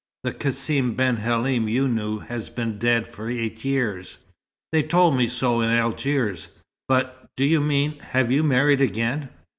The Cassim ben Halim you knew, has been dead for eight years." "They told me so in Algiers. But do you mean have you married again?"